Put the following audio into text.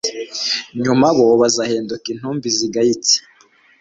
nyuma bo bazahinduka intumbi zigayitse